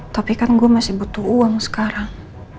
tapi kan gue masih butuh uang sekarang